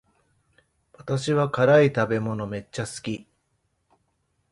私は辛い食べ物めっちゃ好き